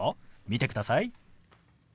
見てください。